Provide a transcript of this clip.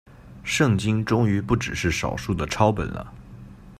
圣经终于不只是少数的抄本了。